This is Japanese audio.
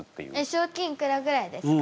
賞金いくらぐらいですか？